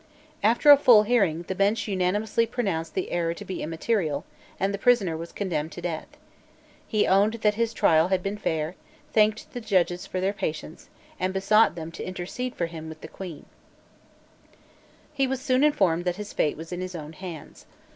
After a full hearing, the Bench unanimously pronounced the error to be immaterial; and the prisoner was condemned to death. He owned that his trial had been fair, thanked the judges for their patience, and besought them to intercede for him with the Queen, He was soon informed that his fate was in his own hands.